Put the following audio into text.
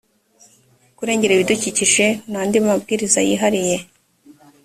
kurengera ibidukikije n andi mabwiriza yihariye